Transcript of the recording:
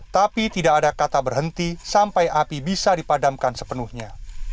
tapi tidak ada kata berhenti sampai api bisa dipadamkan sepenuhnya